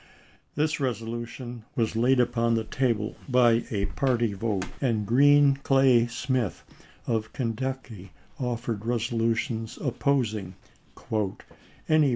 21. This resolution was laid upon the table by a party vote, and Green Clay Smith of Kentucky offered resolutions opposing " any